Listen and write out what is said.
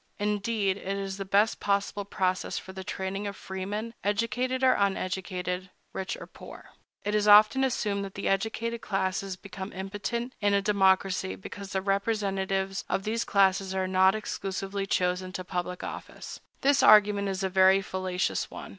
Indeed, it is the best possible process for the training of freemen, educated or uneducated, rich or poor.It is often assumed that the educated classes become impotent in a democracy, because the representatives of those classes are not exclusively chosen to public office. This argument is a very fallacious one.